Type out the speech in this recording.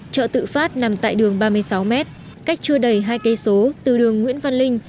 chợ tự phát nằm tại đường ba mươi sáu m cách chưa đầy hai cây số từ đường nguyễn văn linh